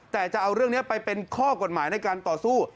แต่จะเอาเรื่องนี้ไปเป็นข้อกฎหมายในการต่อสู้